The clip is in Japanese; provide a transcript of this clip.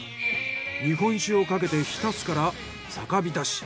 日本酒をかけて浸すから酒びたし。